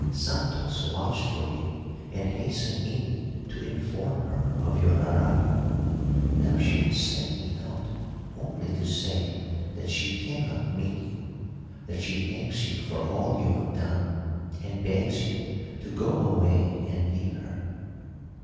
Santos watched for you and hastened in to inform her of your arrival. Now she has sent me out only to say that she cannot meet you, that she thanks you for all you have done, and begs you to go away and leave her."